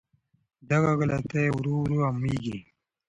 دغه غلطۍ ورو ورو عامېږي.